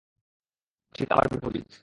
ঠিক আমার বিপরীত।